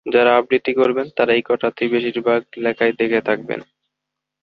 যারা আবৃত্তি করবেন তারা এই কথাটি বেশির ভাগ লেখায় দেখে থাকবেন।